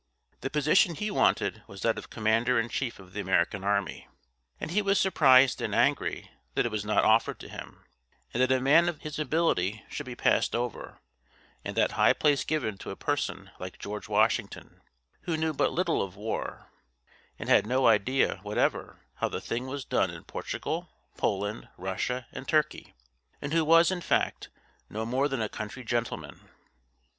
The position he wanted was that of commander in chief of the American army; and he was surprised and angry that it was not offered to him, and that a man of his ability should be passed over, and that high place given to a person like George Washington, who knew but little of war, and had no idea whatever how the thing was done in Portugal, Poland, Russia and Turkey, and who was, in fact, no more than a country gentleman.